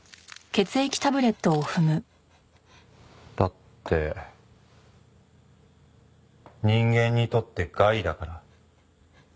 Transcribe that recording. だって人間にとって害だから。